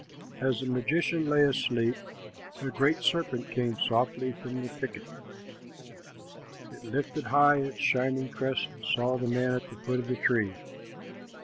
As the magician lay asleep, a great serpent came softly from the thicket. It lifted high its shining crest and saw the man at the foot of the tree.